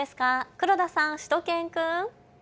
黒田さん、しゅと犬くん。